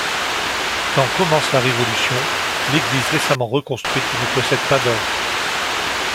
Quand commence la Révolution, l'église récemment reconstruite ne possède pas d'orgue.